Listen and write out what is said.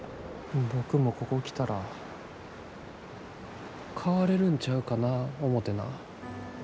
僕もここ来たら変われるんちゃうかな思てな。